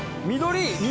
緑！